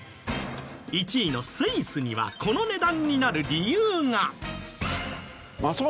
１位のスイスにはこの値段になる理由が。